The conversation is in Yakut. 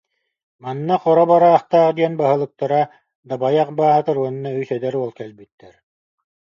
Манна Хоро Бараахтаах диэн баһылыктара, Дабайах Баатыр уонна үс эдэр уол кэлбиттэр